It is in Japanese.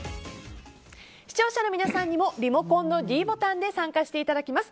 視聴者の皆さんにもリモコンのｄボタンで参加していただきます。